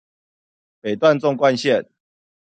北段縱貫線